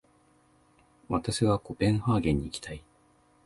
私はコペンハーゲンに行きたい。